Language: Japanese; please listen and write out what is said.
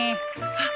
あっ。